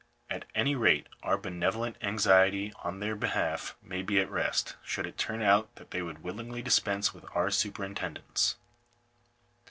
At any rate our benevolent anxiety on their behalf may be at rest, should it turn out that they would willingly dispense with our superintendence.